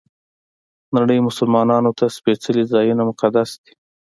نړۍ مسلمانانو ته سپېڅلي ځایونه مقدس دي.